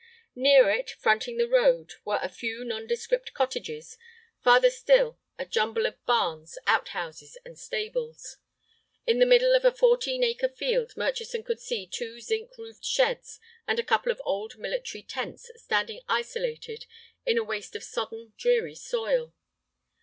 Near it, fronting the road, were a few nondescript cottages; farther still a jumble of barns, outhouses, and stables. In the middle of a fourteen acre field Murchison could see two zinc roofed sheds and a couple of old military tents standing isolated in a waste of sodden, dreary soil.